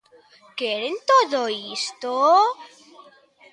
¿Queren todo isto?